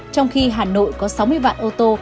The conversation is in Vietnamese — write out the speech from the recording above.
trong khi hà nội có sáu mươi vạn ô tô